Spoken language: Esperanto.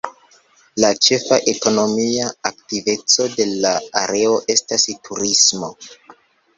La ĉefa ekonomia aktiveco de la areo estas turismo.